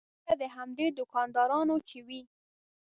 لکه د همدې دوکاندارانو چې وي.